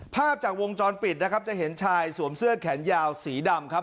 ภาพจากวงจรปิดนะครับจะเห็นชายสวมเสื้อแขนยาวสีดำครับ